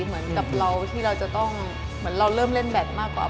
เหมือนกับเราที่เราจะต้องเหมือนเราเริ่มเล่นแบตมากกว่า